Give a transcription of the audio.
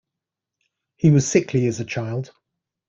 He was sickly as a child.